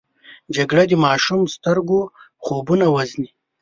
جګړه د ماشومو سترګو خوبونه وژني